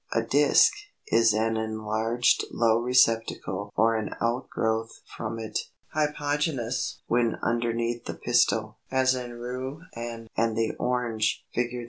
] 327. =A Disk= is an enlarged low receptacle or an outgrowth from it, hypogynous when underneath the pistil, as in Rue and the Orange (Fig.